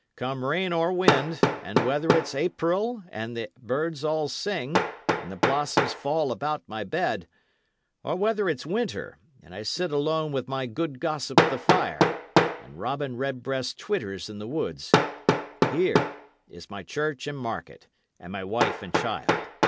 Come rain or wind and whether it's April, and the birds all sing, and the blossoms fall about my bed or whether it's winter, and I sit alone with my good gossip the fire, and robin red breast twitters in the woods here, is my church and market, and my wife and child.